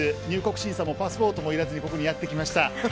入国審査もパスポートも要らずここにやってまいりました。